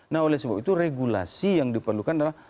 nah oleh sebab itu regulasi yang diperlukan adalah